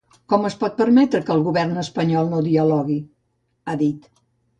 Com es pot permetre que el govern espanyol no dialogui?, ha dit.